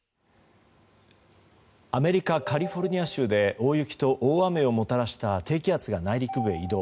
アメリカカリフォルニア州で大雪と大雨をもたらした低気圧が内陸部へ移動。